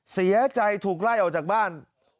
เสียใจถูกไล่ออกจากบ้าน